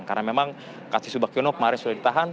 karena memang kasti subakiono kemarin sudah ditahan